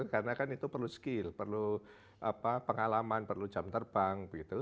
karena kan itu perlu skill perlu apa pengalaman perlu jam terbang gitu